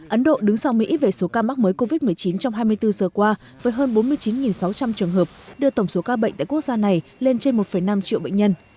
ấn độ đứng sau mỹ về số ca mắc mới covid một mươi chín trong hai mươi bốn giờ qua với hơn bốn mươi chín sáu trăm linh trường hợp đưa tổng số ca bệnh tại quốc gia này lên trên một năm triệu bệnh nhân